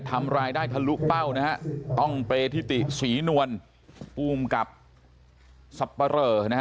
ทำรายได้ทะลุเป้านะฮะต้องเปธิติศรีนวลภูมิกับสับปะเรอนะฮะ